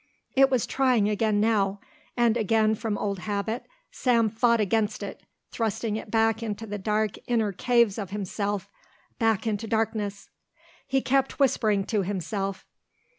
It was trying again now, and again and from old habit Sam fought against it, thrusting it back into the dark inner caves of himself, back into darkness. He kept whispering to himself.